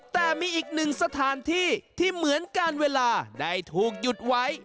แต่มีอีกหนึ่งสถานที่ที่เหมือนกันเวลาได้ถูกหยุดไว้